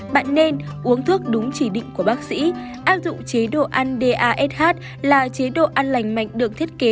bạn nên uống thuốc đúng chỉ định của bác sĩ áp dụng chế độ ăn dash là chế độ ăn lành mạnh được thiết kế